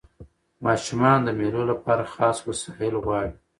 ماشومان د مېلو له پاره خاص وسایل غواړي.